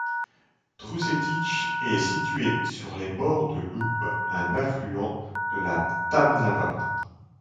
Družetić est situé sur les bords de l'Ub, un affluent de la Tamnava.